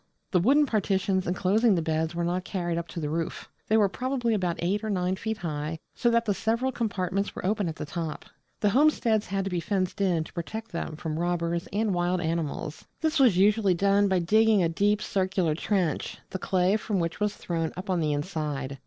The wooden partitions enclosing the beds were not carried up to the roof; they were probably about eight or nine feet high, so that the several compartments were open at top. The homesteads had to be fenced in to protect them from robbers and wild animals. This was usually done by digging a deep circular trench, the clay from which was thrown up on the inside.